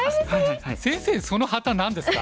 先生その旗何ですか？